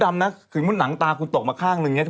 ไม่จริงนะ